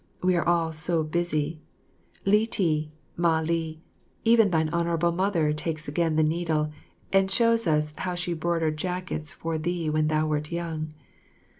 We are all so busy; Li ti, Mah li, even thine Honourable Mother takes again the needle and shows us how she broidered jackets for thee when thou wert young.